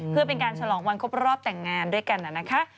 เพื่อเป็นการฉลองวันครบรอบแต่งงานด้วยกันนะคะ